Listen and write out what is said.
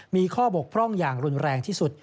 มีข้อบกพร่องอย่างรุนแรงที่สุด